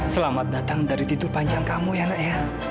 selamat datang dari tidur panjang kamu ya nak ya